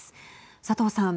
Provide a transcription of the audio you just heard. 佐藤さん。